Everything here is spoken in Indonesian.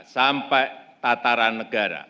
sampai tataran negara